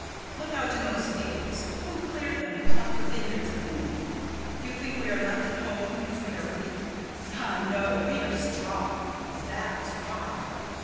Look out in those fields. Who cleared them, and plucked the vineyards clean? You think we are left at home because we are weak. Ah, no; we are strong. That is why.